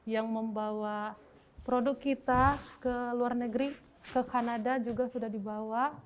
yang membawa produk kita ke luar negeri ke kanada juga sudah dibawa